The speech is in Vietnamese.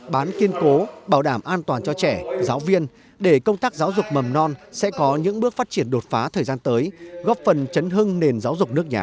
bán kiên cố bảo đảm an toàn cho trẻ giáo viên để công tác giáo dục mầm non sẽ có những bước phát triển đột phá thời gian tới góp phần chấn hưng nền giáo dục nước nhà